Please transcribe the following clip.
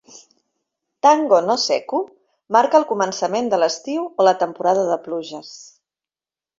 "Tango no Sekku" marca el començament de l'estiu o la temporada de pluges.